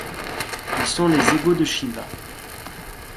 Ils sont les égaux de Shiva.